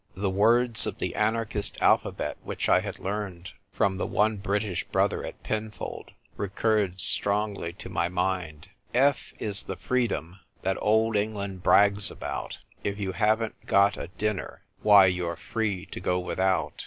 The words of the anarchist alpha bet, which I had learned from the one British brother at Pinfold, recurred strongly to my mind —" F is the freedom that old England brags about ; If you haven't got a dinner — why — you're free to go without.